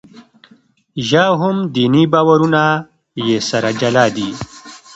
یا هم دیني باورونه یې سره جلا دي.